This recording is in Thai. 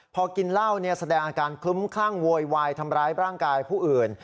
พอกินเหล้าแสดงอาการคลุ้มคลั่งโวยวายทำร้ายร่างกายผู้อื่น